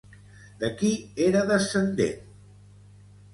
De qui era descendent?